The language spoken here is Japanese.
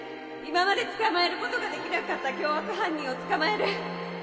今まで捕まえることができなかった凶悪犯人を捕まえる